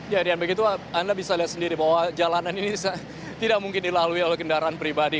ya rian begitu anda bisa lihat sendiri bahwa jalanan ini tidak mungkin dilalui oleh kendaraan pribadi